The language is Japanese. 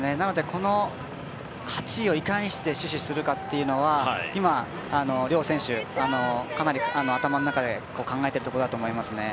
この８位をいかにして死守するかというのは今、両選手、かなり頭の中で考えてるところだと思いますね。